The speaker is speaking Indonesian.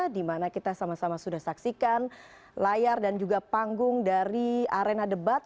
dimana kita sama sama sudah saksikan layar dan juga panggung dari arena debat